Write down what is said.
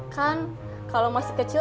kan kalau masih kecil